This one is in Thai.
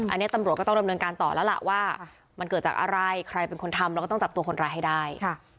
อันนี้ตำรวจก็ต้องดำเนินการต่อแล้วล่ะว่ามันเกิดจากอะไรใครเป็นคนทำแล้วก็ต้องจับตัวคนร้ายให้ได้